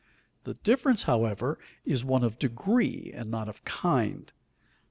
The difference, however, is one of degree, and not of kind.